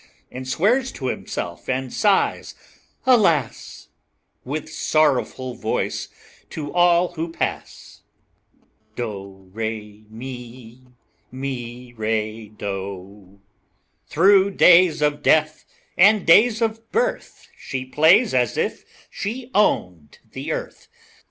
And swears to himself and sighs, alas! With sorrowful voice to all who pass. Do, re, mi, Mi, re, do. Through days of death and days of birth She plays as if she owned the earth.